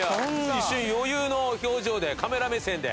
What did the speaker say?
一瞬余裕の表情でカメラ目線で。